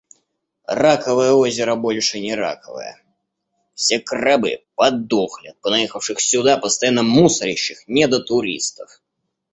Раковое озеро больше не раковое. Все крабы подохли от понаехавших сюда, постоянно мусорящих недотуристов!